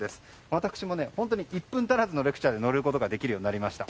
私も１分足らずのレクチャーで乗ることができるようになりました。